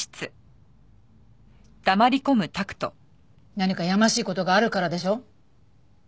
何かやましい事があるからでしょ？